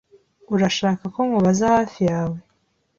Urashaka ko nkubaza hafi yawe?